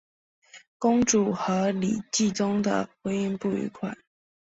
公主和李继崇的婚姻不愉快。